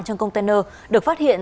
trong container được phát hiện